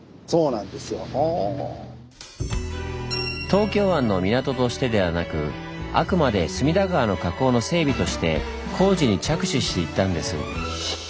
東京湾の港としてではなくあくまで隅田川の河口の整備として工事に着手していったんです。